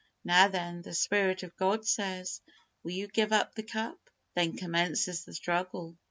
Now, then, the Spirit of God says, "Will you give up the cup?" Then commences the struggle.